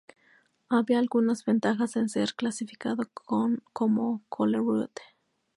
Había algunas ventajas en ser clasificado como coloured.